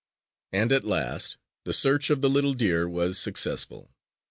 And at last the search of the little deer was successful.